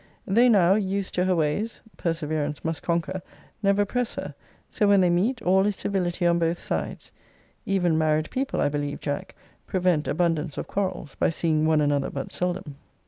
They now, used to her ways, [perseverance must conquer,] never press her; so when they meet, all is civility on both sides. Even married people, I believe, Jack, prevent abundance of quarrels, by seeing one another but seldom.